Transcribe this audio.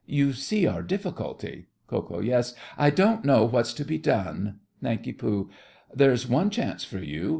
You see our difficulty. KO. Yes. I don't know what's to be done. NANK. There's one chance for you.